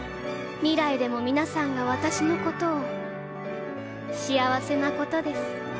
未来でも皆さんが私のことを幸せなことです